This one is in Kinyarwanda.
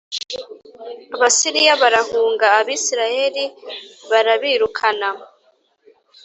Abasiriya barahunga, Abisirayeli barabirukana